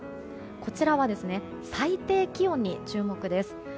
こちらは最低気温に注目です。